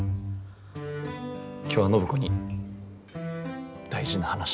今日は暢子に大事な話が。